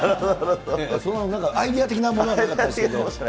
そんな、アイデア的なものはなかったけど。